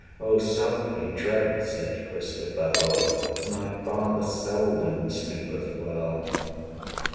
O softly tread, said Christabel, My father seldom sleepeth well.